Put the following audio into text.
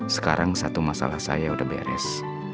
sekarang satu masalah saya sudah beres